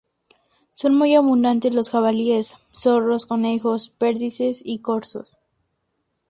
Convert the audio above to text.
Son muy abundantes los jabalíes, zorros, conejos, perdices y corzos.